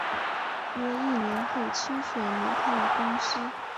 约一年后清水离开了公司。